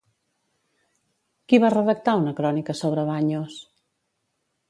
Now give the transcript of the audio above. Qui va redactar una crònica sobre Baños?